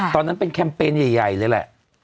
ตอนนั้นเป็นแคมเปญใหญ่เลยแหละ